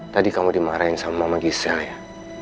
tadi kamu dimarahin sama mama gisel ya